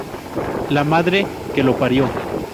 ¡La madre que lo parió!